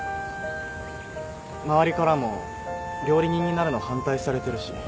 周りからも料理人になるの反対されてるし。